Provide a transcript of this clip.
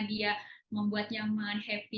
dia membuat nyaman happy